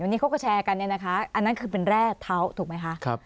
วันนี้เขาก็แชร์กันเนี่ยนะคะอันนั้นคือเป็นแร่เท้าถูกไหมคะ